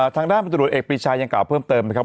ทางด้านปัจจุโดยเอกบริชายังกล่าวเพิ่มเติมนะครับ